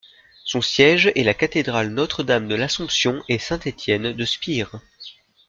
Son siège est la cathédrale Notre-Dame-de-l'Assomption-et-Saint-Étienne de Spire.